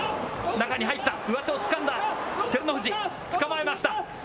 中に入った、上手をつかんだ、照ノ富士、つかまえました。